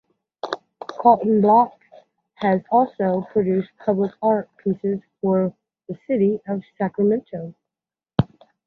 Kaltenbach has also produced public art pieces for the city of Sacramento.